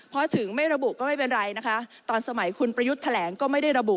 พอถึงไม่ระบุก็ไม่เป็นไรนะคะตอนสมัยคุณประยุทธ์แถลงก็ไม่ได้ระบุ